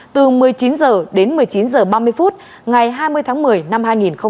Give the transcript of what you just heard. từ một mươi chín h đến một mươi chín h ba mươi ngày hai mươi tháng một mươi năm hai nghìn hai mươi một